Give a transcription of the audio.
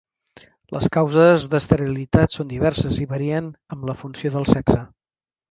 Les causes d'esterilitat són diverses i varien amb la funció del sexe.